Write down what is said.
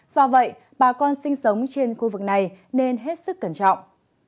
do vậy bà con sinh sống trên khu vực này nên hết sức cẩn trọng